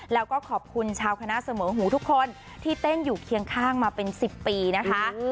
แล้วก็ขอบคุณชาวคณะเสมอหูทุกคนที่เต้นอยู่เคียงข้างมาเป็น๑๐ปีนะคะ